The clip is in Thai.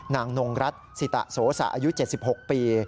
นางนงรัฐสิตโสสะอายุ๗๖ปี